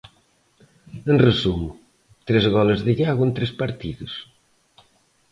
En resumo, tres goles de Iago en tres partidos.